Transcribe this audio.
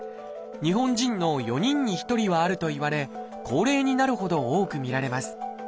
日本人の４人に１人はあるといわれ高齢になるほど多く見られます。